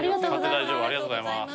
ありがとうございます。